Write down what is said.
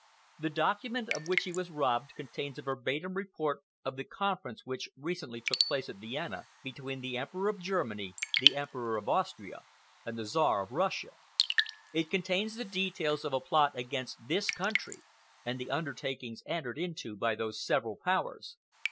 The document of which he was robbed contains a verbatim report of the conference which recently took place at Vienna between the Emperor of Germany, the Emperor of Austria, and the Czar of Russia. It contains the details of a plot against this country and the undertakings entered into by those several Powers.